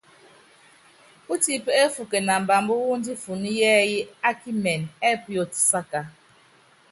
Pútiipɛ́ efuuken ambaambá wu ndífunɔ́ yɛɛyɛ́ a kimɛn ɛ́ɛ puyo tisáka.